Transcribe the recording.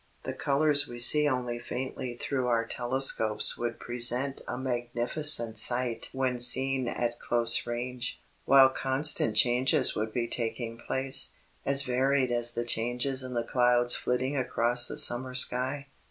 The colors we see only faintly through our telescopes would present a magnificent sight when seen at close range, while constant changes would be taking place, as varied as the changes in the clouds flitting across a summer sky.